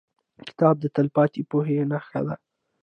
کتاب د تلپاتې پوهې نښه ده.